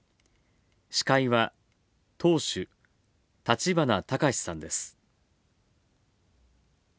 司会は、党首立花孝志さんです。